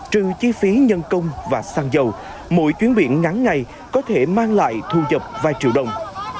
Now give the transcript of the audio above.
trừ chi phí nhân công và xăng dầu mỗi chuyến biển ngắn ngày có thể mang lại thu nhập vài triệu đồng